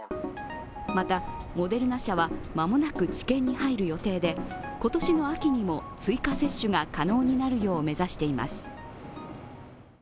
また、モデルナ社は間もなく治験に入る予定で、今年の秋にも追加接種が可能になるよう目指しています。